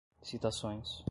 citações